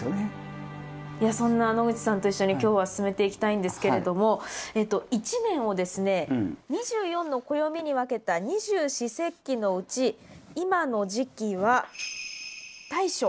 そんな野口さんと一緒に今日は進めていきたいんですけれども一年をですね２４の暦に分けた二十四節気のうち今の時期は大暑。